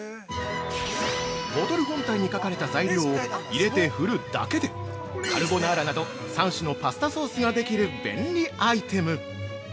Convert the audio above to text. ◆ボトル本体に書かれた材料を入れて振るだけでカルボナーラなど３種のパスタソースができる便利アイテム！